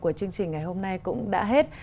của chương trình ngày hôm nay cũng đã hết